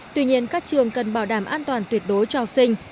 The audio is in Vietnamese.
tuy nhiên các trường cần bảo đảm an toàn tuyệt đối cho học sinh